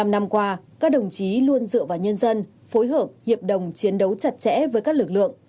bảy mươi năm năm qua các đồng chí luôn dựa vào nhân dân phối hợp hiệp đồng chiến đấu chặt chẽ với các lực lượng